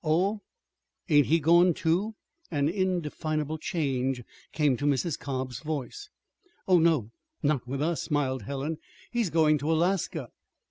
"Oh, ain't he goin', too?" An indefinable change came to Mrs. Cobb's voice. "Oh, no, not with us," smiled Helen. "He's going to Alaska."